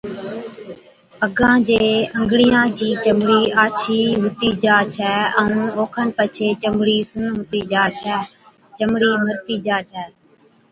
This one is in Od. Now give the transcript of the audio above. پگان چي انگڙِيان چِي چمڙِي آڇِي هُتِي جا ڇَي ائُون او کن پڇي چمڙِي سُن هُتِي جا ڇَي (چمڙِي مرتِي جا ڇَي)